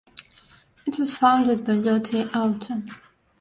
It was founded by Zotye Auto.